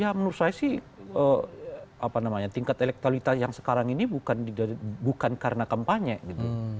ya menurut saya sih tingkat elektabilitas yang sekarang ini bukan karena kampanye gitu